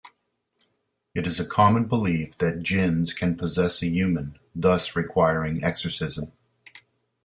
It is a common belief that jinns can possess a human, thus requiring Exorcism.